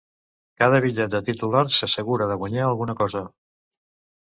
Cada bitllet de titular s'assegura de guanyar alguna cosa.